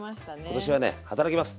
今年はね働きます。